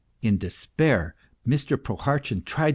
In despair Mr. Prohartchin tried to MR.